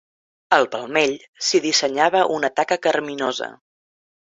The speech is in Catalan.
Al palmell s'hi dissenyava una taca carminosa